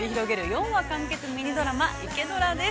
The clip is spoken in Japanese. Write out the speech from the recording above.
４話完結、ミニドラマ、「イケドラ」です。